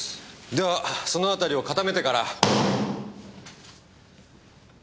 ではそのあたりを固めてから。